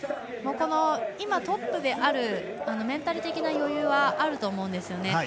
今、トップであるメンタル的な余裕はあると思うんですよね。